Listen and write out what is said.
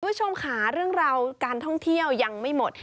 คุณผู้ชมค่ะเรื่องราวการท่องเที่ยวยังไม่หมด